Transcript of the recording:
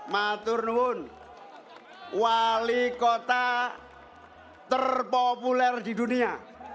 maturnuun wali kota terpopuler di dunia